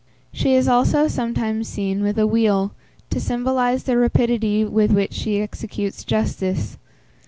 She is also sometimes seen with a wheel, to symbolize the rapidity with which she executes justice.